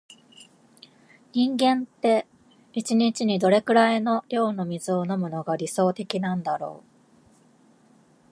人間って、一日にどれくらいの量の水を飲むのが理想的なんだろう。